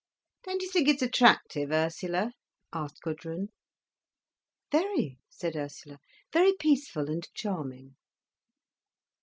"Don't you think it's attractive, Ursula?" asked Gudrun. "Very," said Ursula. "Very peaceful and charming."